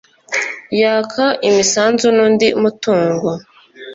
yaka imisanzu n’undi mutungo